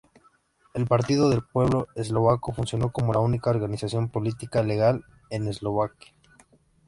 El Partido del Pueblo Eslovaco funcionó como la única organización política legal en Eslovaquia.